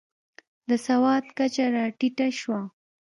د سواد کچه راټیټه شوه.